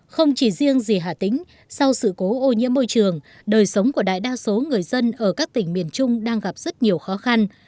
không chỉ riêng gì hà tĩnh sau sự cố ô nhiễm môi trường đời sống của đại đa số người dân ở các tỉnh miền trung đang gặp rất nhiều khó khăn